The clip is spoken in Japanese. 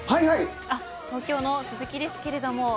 東京の鈴木ですけれども。